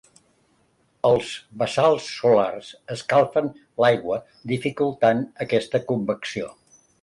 Els bassals solars escalfen l'aigua dificultant aquesta convecció.